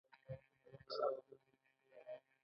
هر څه تیریدونکي دي